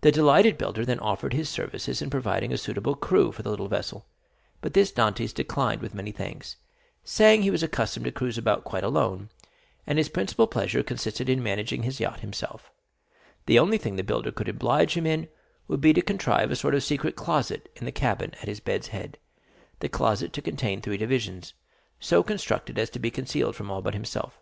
The delighted builder then offered his services in providing a suitable crew for the little vessel, but this Dantès declined with many thanks, saying he was accustomed to cruise about quite alone, and his principal pleasure consisted in managing his yacht himself; the only thing the builder could oblige him in would be to contrive a sort of secret closet in the cabin at his bed's head, the closet to contain three divisions, so constructed as to be concealed from all but himself.